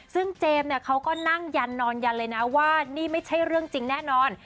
ซึ่งเจมส์เนี่ยเขาก็นั่งยันนอนยันเลยนะว่านี่ไม่ใช่เรื่องจริงแน่นอน